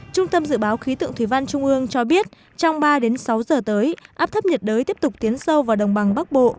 trung tâm dự báo khí tượng thủy văn trung ương cho biết trong ba sáu giờ tới áp thấp nhiệt đới tiếp tục tiến sâu vào đồng bằng bắc bộ